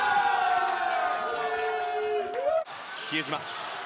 比江島。